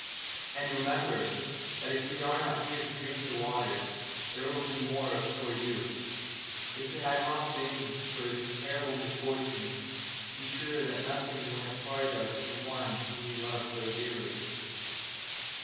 And remember that if we are not here to drink the water, there will be the more for you! If it had not been for this terrible misfortune, be sure that nothing would have parted us from one whom we love so dearly.'